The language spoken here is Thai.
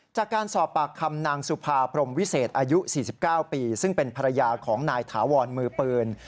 จากการสอบปากคำนางสุภาพรมวิเศษอายุ๔๙ปีซึ่งเป็นภรรยาของนายถาวรมือปืน